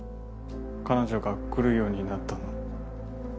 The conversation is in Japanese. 彼女が来るようになったの。